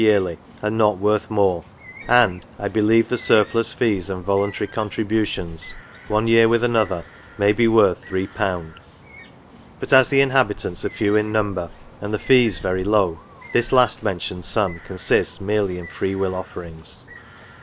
yearly, and not worth more ; and, I believe the surplice fees and volun tary contributions, one year with another, may be worth Si. ; but, as the inhabitants are few in number, and the fees very low, this last mentioned sum consists merely in free will offerings.